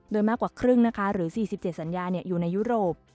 โดยมากกว่าครึ่งนะคะหรือ๔๗สัญญาอยู่ในยุโรป